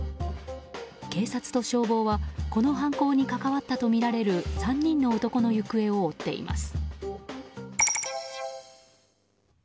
警察と消防はこの犯行に関わったとみられる３人の男の行方を追っています。